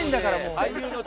俳優の力。